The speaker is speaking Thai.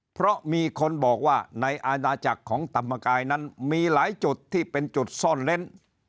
เพราะมีคนบอกว่าในอาณาจักรของธรรมกายนั้นมีหลายจุดที่เป็นจุดซ่อนเล้น